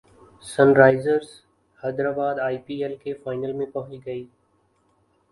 sun Risers Hyderabad I P L کے final میں پہنچ گئی